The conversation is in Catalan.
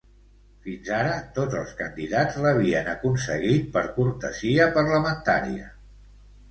Fins ara, tots els candidats l'havien aconseguit per cortesia parlamentària.